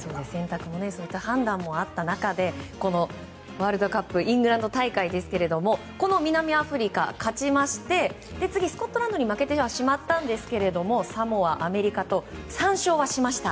そういった判断もあった中でこのワールドカップイングランド大会ですけれどもこの南アフリカ、勝ちまして次、スコットランドに負けてはしまったんですがサモア、アメリカと３勝はしました。